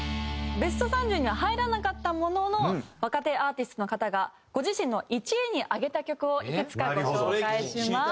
ベスト３０には入らなかったものの若手アーティストの方がご自身の１位に挙げた曲をいくつかご紹介します。